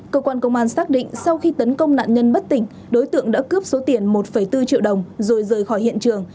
cơ quan công an xác định sau khi tấn công nạn nhân bất tỉnh đối tượng đã cướp số tiền một bốn triệu đồng rồi rời khỏi hiện trường